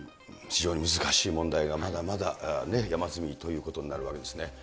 非常に難しい問題がまだまだ山積みということになるわけですね。